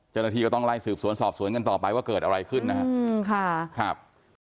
เจ้าหน้าที่ก็ต้องไล่สืบสวนสอบสวนกันต่อไปว่าเกิดอะไรขึ้นนะครับ